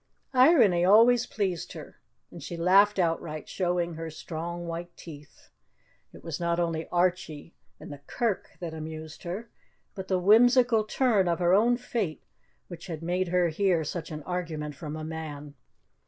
Irony always pleased her and she laughed outright, showing her strong white teeth. It was not only Archie and the Kirk that amused her, but the whimsical turn of her own fate which had made her hear such an argument from a man.